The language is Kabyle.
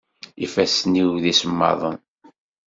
Ifassen-iw d isemmaḍen.